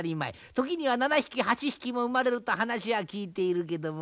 時には７匹８匹も生まれると話は聞いているけども。